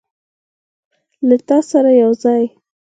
له تا سره یوځای